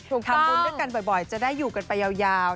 ทำบุญด้วยกันบ่อยจะได้อยู่กันไปยาว